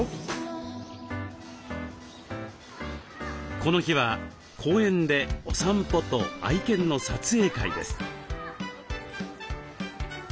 この日は公園でお散歩と愛犬の撮影会です。